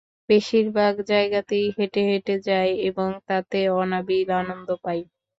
বেশির ভাগ জায়গাতেই হেঁটে হেঁটে যাই এবং তাতে অনাবিল আনন্দ পাই।